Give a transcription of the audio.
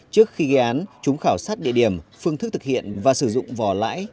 trước khi gây án chúng khảo sát địa điểm phương thức thực hiện và sử dụng vỏ lãi